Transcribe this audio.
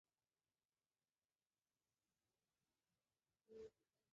毛凤朝同尚宁王等人一起被掳到萨摩藩。